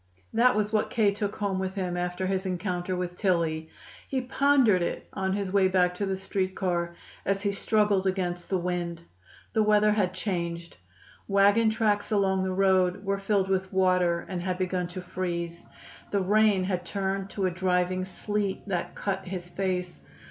That was what K. took home with him after his encounter with Tillie. He pondered it on his way back to the street car, as he struggled against the wind. The weather had changed. Wagon tracks along the road were filled with water and had begun to freeze. The rain had turned to a driving sleet that cut his face.